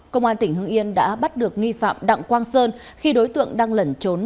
công an tp đã bắt được nghi phạm đặng quang sơn khi đối tượng đang lẩn trốn